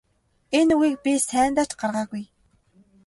Энэ үгийг бид сайндаа ч гаргаагүй.